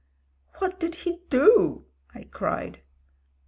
"What did he do?" I cried.